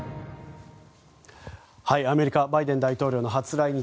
アメリカバイデン大統領の初来日。